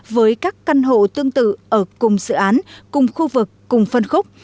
với các căn hộ tương tự ở cùng dự án cùng khu vực cùng phân khúc